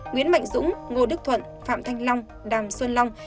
nguyễn mạnh dũng ngô đức thuận phạm thanh long đàm xuân long